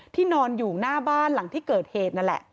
นอนอยู่หน้าบ้านหลังที่เกิดเหตุนั่นแหละ